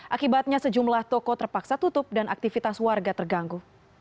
akibatnya sejumlah toko terpaksa tutup dan aktivitas warga terganggu